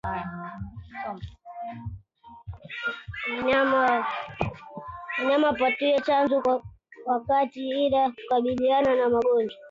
Wanyama wapatiwe chanjo kwa wakati ila kukabiliana na magonjwa